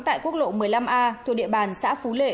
tại quốc lộ một mươi năm a thuộc địa bàn xã phú lệ